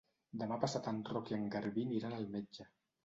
Demà passat en Roc i en Garbí aniran al metge.